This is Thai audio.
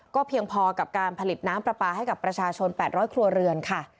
เพียงพอกับการผลิตน้ำปลาปลาให้กับประชาชน๘๐๐ครัวเรือนค่ะ